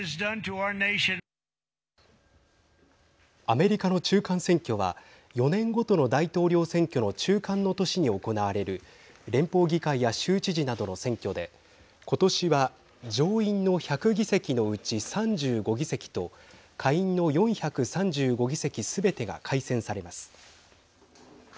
アメリカの中間選挙は４年ごとの大統領選挙の中間の年に行われる連邦議会や州知事などの選挙で今年は上院の１００議席のうち３５議席と下院の４３５議席すべてが改選されます。